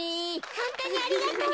ホントにありがとう。